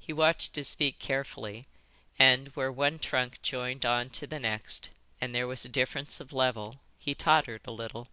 He watched his feet carefully, and where one trunk joined on to the next and there was a difference of level, he tottered a little.